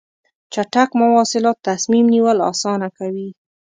چټک مواصلات تصمیم نیول اسانه کوي.